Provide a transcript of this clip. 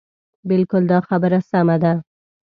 بلکل دا خبره سمه ده.